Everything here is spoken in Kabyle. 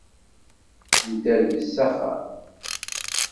Nedderbez s axxam.